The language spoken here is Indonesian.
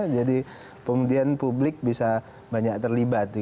jadi kemudian publik bisa banyak terlibat